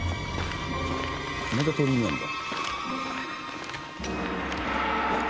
また鳥居なんだ。